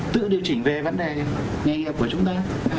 tự điều chỉnh về vấn đề nghề nghiệp của chúng ta